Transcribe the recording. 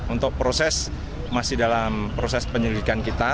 untuk proses masih dalam proses penyelidikan kita